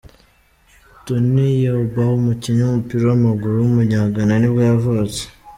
Tony Yeboah, umukinnyi w’umupira w’amaguru w’umunyagana nibwo yavutse.